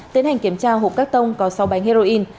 tiến hành kiểm tra hộp các tông có sáu bánh heroin